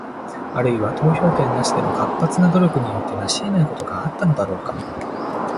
あるいは、投票権なしでの活発な努力によって成し得ないことがあったのだろうか？